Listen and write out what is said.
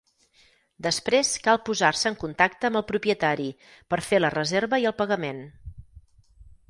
Després cal posar-se en contacte amb el propietari per fer la reserva i el pagament.